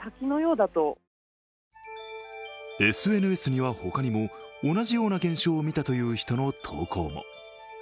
ＳＮＳには、他にも同じような現象を見たという人の投稿も。